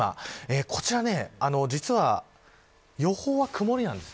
こちら、実は予報は曇りなんです。